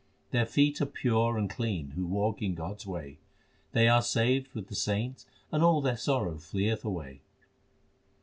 Their feet are pure and clean who walk in God s way : They are saved with the saints and all their sorrow fleeth away.